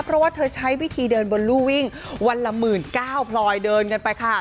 เพราะว่าเธอใช้วิธีเดินบนลู่วิ่งวันละ๑๙๐๐พลอยเดินกันไปค่ะ